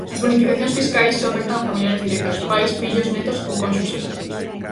As bonificacións fiscais só afectan a familiares directos: pais, fillos, netos ou cónxuxes.